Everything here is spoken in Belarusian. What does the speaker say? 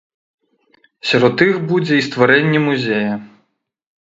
Сярод іх будзе і стварэнне музея.